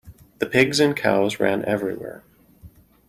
The pigs and cows ran everywhere.